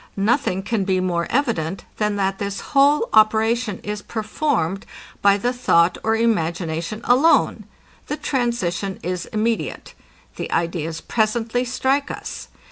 Nothing can be more evident, than that this whole operation is performed by the thought or imagination alone. The transition is immediate. The ideas presently strike us.